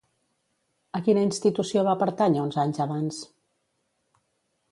A quina institució va pertànyer uns anys abans?